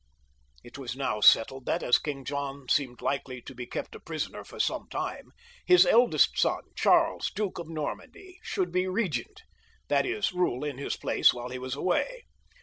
It was now settled that, as King John seemed likely to be kept a prisoner for some time, his eldest son, Charles, Duke of Normandy, should be Eegent, that is, rule in his place while he was away.